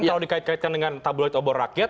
kalau dikait kaitkan dengan tabloid obor rakyat